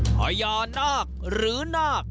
พญานาคหรือนาค